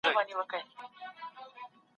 چېري د زده کوونکو شوراګانې فعالیت کوي؟